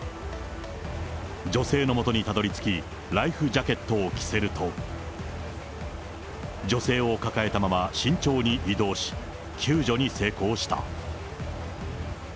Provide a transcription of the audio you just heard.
女性のもとにたどりつき、ライフジャケットを着せると、女性を抱えたまま慎重に移動し、救助に成功した。